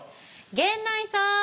源内さん。